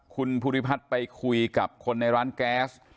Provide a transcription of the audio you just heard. คุณภูริพัฒน์ไปคุยกับคนในร้านแก๊ส